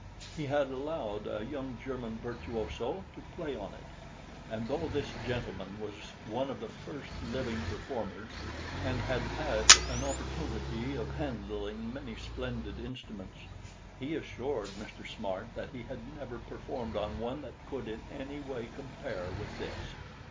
He had allowed a young German virtuoso to play on it, and though this gentleman was one of the first living performers, and had had an opportunity of handling many splendid instruments, he assured Mr. Smart that he had never performed on one that could in any way compare with this.